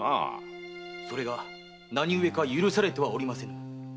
それが何故か許されてはおりませぬ。